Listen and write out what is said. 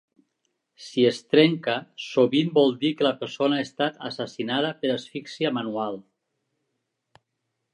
Si es trenca, sovint vol dir que la persona ha estat assassinada per asfíxia manual.